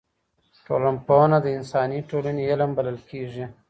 ټولنپوهنه د انساني ټولني علم بلل کیږي.